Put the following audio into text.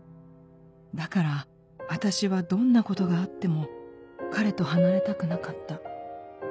だからあたしはどんなことがあっても彼と離れたくなかった。